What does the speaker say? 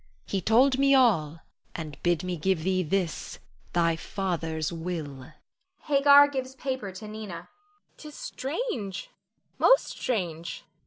He told me all and bid me give thee, this, thy father's will. [Hagar gives paper to Nina.] Nina. 'Tis strange, most strange.